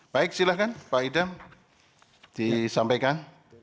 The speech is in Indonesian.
baik silahkan pak idam disampaikan